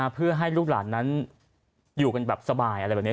เพื่อให้ลูกหลานนั้นอยู่กันแบบสบายอะไรแบบนี้